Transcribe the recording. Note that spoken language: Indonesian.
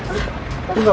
mbak mbak mbak